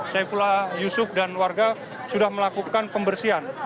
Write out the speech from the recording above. saya pula yusuf dan warga sudah melakukan pembersihan